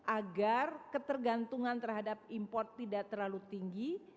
agar ketergantungan terhadap import tidak terlalu tinggi